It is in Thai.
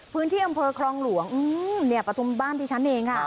พื้นที่อัมเพลอครองหลวงนี่ปฐมบ้านที่ที่ฉันเอง